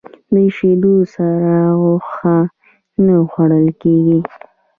د شیدو سره غوښه نه خوړل کېږي.